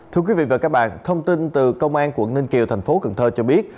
thưa quý vị và các bạn thông tin từ công an quận ninh kiều thành phố cần thơ cho biết